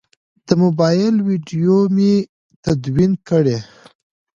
د موبایل ویدیو مې تدوین کړه.